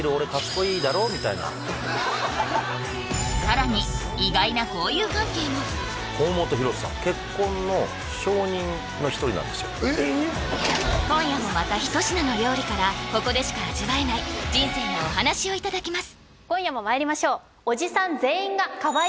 さらに今夜もまた一品の料理からここでしか味わえない人生のお話をいただきます